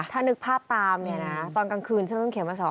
ถ้านึกภาพตามตอนกลางคืนฉันต้องเขียนมาสอบ